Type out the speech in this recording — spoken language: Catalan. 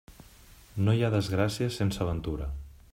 No hi ha desgràcia sense ventura.